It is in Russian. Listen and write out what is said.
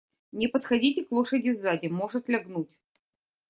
Не подходите к лошади сзади, может лягнуть.